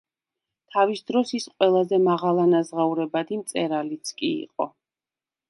თავის დროს ის ყველაზე მაღალანაზღაურებადი მწერალიც კი იყო.